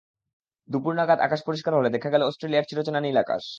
দুপুর নাগাদ আকাশ পরিষ্কার হলে দেখা গেল অস্ট্রেলিয়ার চিরচেনা নীল আকাশ।